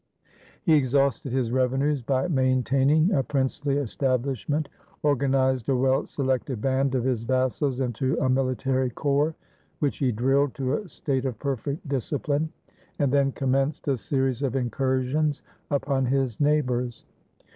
He exhausted his revenues by maintaining a princely establishment, organized a well selected band of his vasSals into a military corps, which he drilled to a state of perfect discipline, and then commenced a series of incursions upon his neighbors.